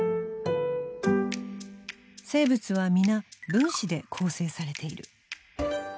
生物は皆分子で構成されている。